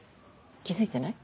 気付いてない？